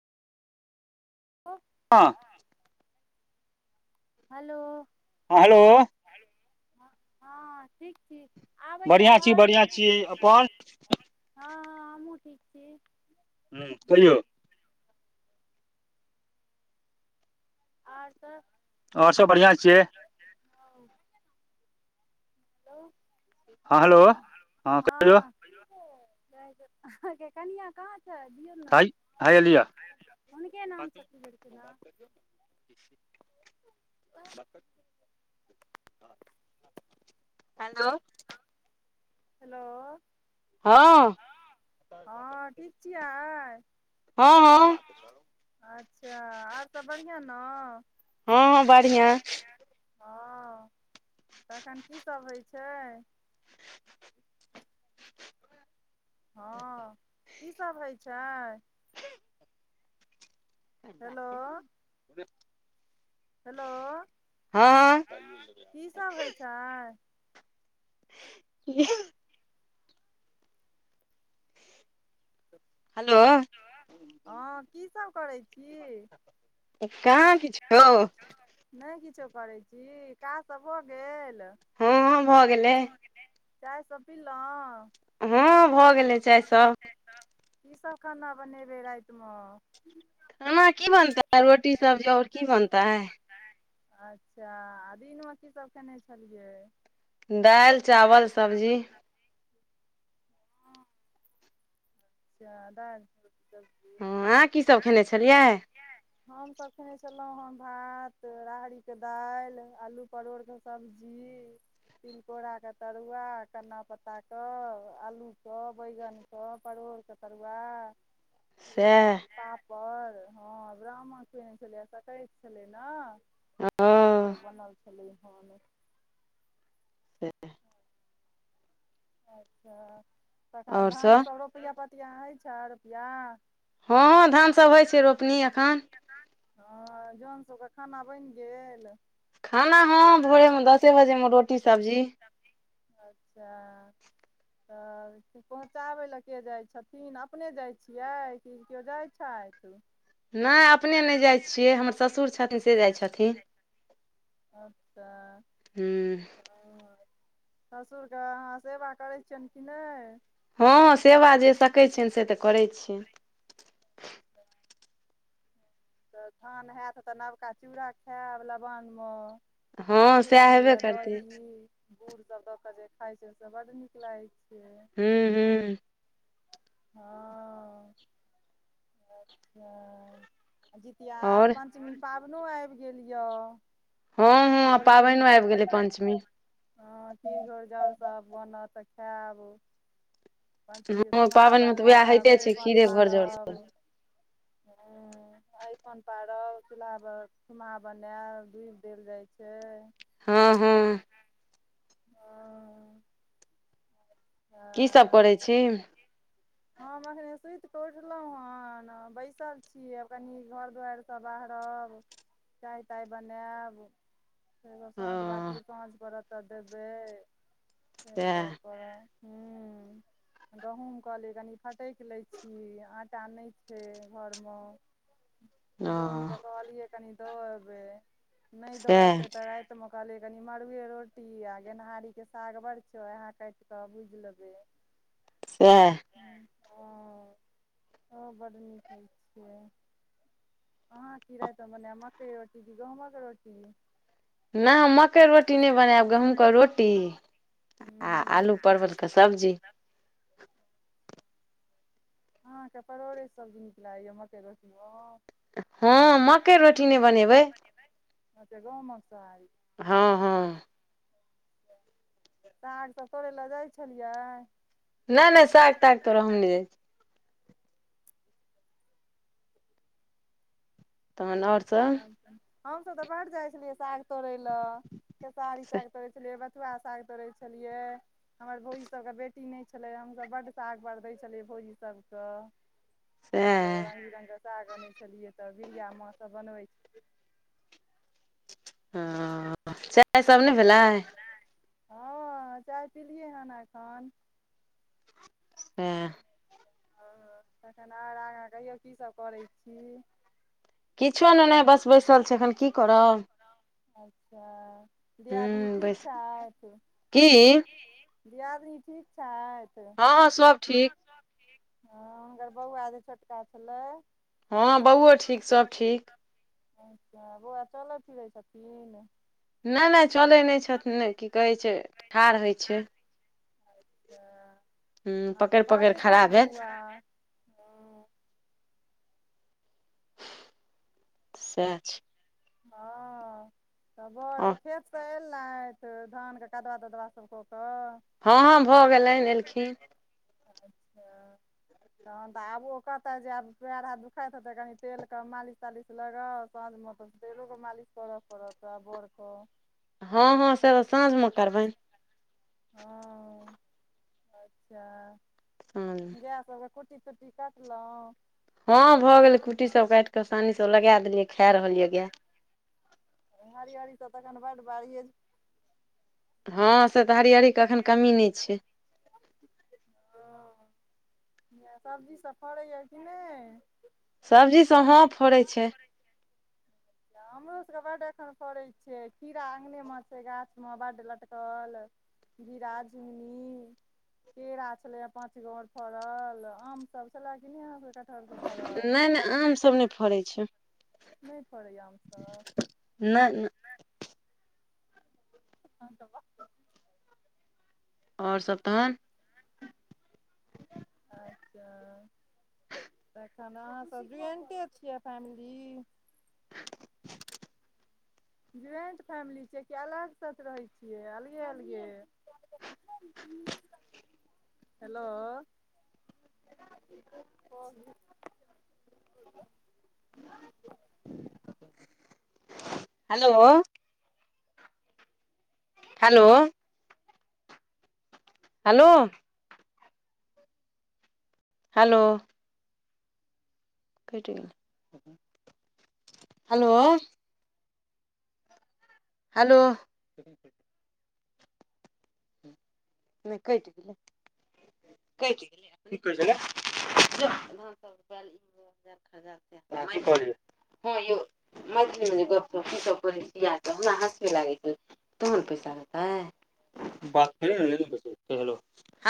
व। [unintelligible] हेलो। हँ hello. Hello हँ, हँ ठीक छी। आबैय बढ़िआँ छी आवाज बढ़िआँ छी अपन हँ, हँ हमहहुँ ठीक छी। ह कहिौ आर सब [unintelligible] आओर सब बढ़िआं छियै। हँ। [unintelligible] हँ, हँ कनिआ कहाँ कत छैथ दियै ना हाय हाय एलिया हुनके नाम से खुलल छै ना बस [unintelligible] हेलो। हेलो। हँ हँ ठीक छियै। हँ, हँ अच्छा आर सब बढ़िआँ न हं, हँ हँ हं बढ़िआँ बढ़िया। हँ तखन की सब होइ छै। ह [unintelligible] हँ कीसभ होइ छै। हेलो बात [unintelligible] हेलो हं, हं की सब होइ छै। क [unintelligible] हेलो। हेलो हँ की सब करैइ छी। कहाँ किछ यों। नहि किछो करैत छी काज सब भऽ'गेल। हँ हँ भऽ गेलै चाय सब पीलहुँ हँ भऽ' गेलै चाय सब। कीसभ खाना बनेबै रातिमे। खाना की बनतै रोटी सब्जी आओर की बनतै। अच्छा आ दिनमे की सब कयने छलियै। दालि चावल सब्जी। हँ [unintelligible] अच्छा [unintelligible] हँ आहाँ कीसभ खेने छलियै। हमसब खेने छलहुँ हेँ भात राहरिके दालि आलू परोरके सब्जी तिलकोराक के तरुआ केन्ना पत्ता के आलू के बैगन‌ क परोर। के तरुआ सएह [unintelligible] पर हँ ब्राह्मण सुने छलैए सक्रैत छलै ने। तऽ' हँ ईसभ बनल छलै खाना। से [unintelligible] अच्छा तखन आओर सब धानसभ रोपिआ पतिआ होइ छैह रोपिआ। हँ, हँ धान सब होइ छै रोपनी एखन। हँ जॉन सबके खाना बैन गेल। खाना हँ भोरे मे दसे बजे मे रोटी सब्जी। अच्छा तब एत्ते पहुँचाबै लए के जाइ छथिन अपने जाइ छियै। कि कियो जाइ छैथ। नहि अपने नहि जाइ छियै, हमर ससुर छथिन से जाइ छथिन। अच्छा हूँ हँ, ससुरके अहाँ सेवा करै छिअनि कि नहि। हँ-हँ सेवा जे सकै छियैनि, से तऽ करैत छियैनि। तऽ धान हैत तऽ, नबका चूड़ा खैब लबान मऽ। हँ निक सएह लागै हेबे यऽ करतै दही। गुड़ सब दऽ कऽ जे खाय छै, से बड नीक लागै छै। हूं - हूं हँऽ अच्छा, जितिया आब आओर पंचमी पाबनो आबि गेल यऽ। हँ हँ खीर आब घोर जाउ पाबनिओ आबि गेलै पंचमी। हँ खीर, घोरजाउर सब बनत तऽ खैब। पंचमी के हँ थुम्हा पाबनि मे तऽ उएह बनैब होइते छै अरिपन खीरे घर जौर सब। पारब, हूं अयपन पारब चूल्हा ब थुमहा बनैब दूइब देल जाइ छै। हँ- हँ हँ हँ कि सब करै छी। हम अखने सुइत कऽ उठलऊ हन बैसल छि, आब कनी घर दुआरि सब बाहरब चाय-ताय बनैब। फेरो ओ साँझ बाती साँझ परत तऽ देबै से सब सएह करब। हूं गहुँम कहलिये कनी फटैक लै छी, आटा नहि छै घर मऽ। ओ जॉनके कहलियै कनि दऽ एबै, नहि दऽ सएह एतै तऽ राति ते मऽ कहलियै कनि मड़ुए रोटी आ गेनहारी के साग बड़ छै वोहै काटि कऽ भुज लबै। सैह। नहि हँ- हँ बड नीक होइ छियै। अहाँ की राइत मने बनैब, मकइ रोटी कि गहूँमक रोटी। नहि हम मकइ रोटी नहि बनैब, गहूँम क रोटी आ आलू हूँ परवल कऽ सब्जी। अहाँके परोड़े सब्जी नीक लागैयऽ, मकइ रोटी मऽ। हँ मकइ रोटी नहि बनेबै। अच्छा गहूँमक सोहारी। हँ- हँ साग सब तोड़ै लए जाइ छलियै। नहि-नहि साग-ताग तोड़ऽ हम नहि जाइ छी। तहन और सब हमसब तऽ बढ़ जाइ छलियै, साग तोड़य लऽ खेसारी साग तोड़ै छलियै। ब थुआ साग तौड़ै छलियै। हमर भौजी सब कऽ बेटी नहि छलै, हमसब बड्ड सागवार दै छलियै भौजी सबकऽ। त सएह रङ्ग बिरङ्गके साग अनै छलियै तऽ बिरिया माँसभ बनबै छलै। ह चाय सब ने भेलै। हँ चाय पीलि हन एखन। सेह। हँ तखन आओर आगाँ कहियौ की सब करै छी। किछो नहि नहि बस बैसल छै एखन की करब। अच्छा ह दीआदनी ठीक बैस छथ। की दीआादनी ठीक छथि सब हँ ठीक सब ठीक। हँ हुनकर बौआ जे छोटका छलै। हँ बौओ ठीक सब ठीक। अच्छा बौआ चलै फिरै छथिन। नहि नहि चलै नहि छथिन की कहै छै ठाढ़ होइ छै। अच्छा ह आब तऽ पकड़ि पकड़ि बाजैत खड़ा हयत भेल बौआ ह। सएह छै। हँ त बड़ एके। चल लथि धान के कदवा तदवा सब कऽ कऽ। हँ हँ भऽ गेलनि एलखिन। अच्छा। तहन तऽ आबू कहतऽ जैब पैर-हाथ दुखाइत हेतै कनि तेल क मालिश-तालिश लगाउ साँझ मं तऽ। तेलो के मालिश करऽ पड़त आ बर कऽ। हँ-हँ से तऽ साँझ में करबैन। हँ अच्छा। हँ गै सबके कुट्टी-तुट्टी कटलौं। हँ भऽ गेलै कुट्टी सब काइट कऽ सानी सब लगै देलियै खै रहल यऽ गै। हरिहरी स तऽ एखन बड्ड बारिए ज हँ। से हँ तऽ हरियरी के एखन साड़ी आड़ी कमी कखन नहि छै कमी नै छै [unintelligible] हँ इ सब्जी सभ फड़ैए कि नै। सब्जी सब हँ फड़ै छै। हमरो सभके बड्ड एखन फड़ै छै खीड़ा अंगने में छै गाछ में बड्ड लटकल। घिरा, झिमनी। केरा छलैए पाँचगो और फड़ल आम सब छेला कि नहि अहाँ सबके कटहर सब फड़ल। नहि नहि आम सब नहि फड़ै छै। नै फरैया आम सब। नै न तहन तऽ ब और सब तहन। ह [unintelligible] अच्छा तखन अहाँसभ ज्वाइंटे छियै फैमली। [unintelligible] ज्वाइंट फैमिली छियै कि अलग स रहै छियै अलगे-अलगे। हेलौ। हँ [unintelligible] हैलो। हैलो। हेलो हैलो कइट गेलै हलौ हलो नै कइट गेलै कइट गेलै कि कहै छेलै जो कथि कहलियै हँ यौ मैथली मैं गप्प सप पर छी य हमरा हसी लागै याई तहन पैसा देतै बात करियौ न पहिले कहियौ हेलौ